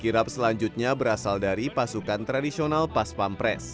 kirap selanjutnya berasal dari pasukan tradisional pas pampres